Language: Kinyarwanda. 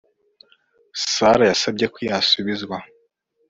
Sara yasabye ko yasubizwa